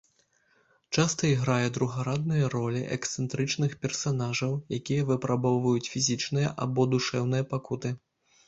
Часта іграе другарадныя ролі эксцэнтрычных персанажаў, якія выпрабоўваюць фізічныя або душэўныя пакуты.